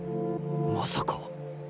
まさか